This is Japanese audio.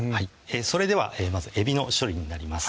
それではまずえびの処理になります